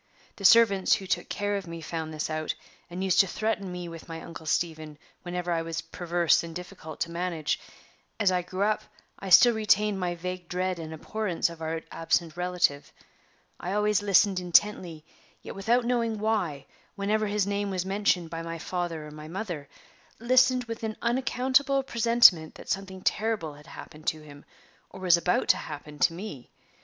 The servants who took care of me found this out, and used to threaten me with my Uncle Stephen whenever I was perverse and difficult to manage. As I grew up, I still retained my vague dread and abhorrence of our absent relative. I always listened intently, yet without knowing why, whenever his name was mentioned by my father or my mother listened with an unaccountable presentiment that something terrible had happened to him, or was about to happen to me.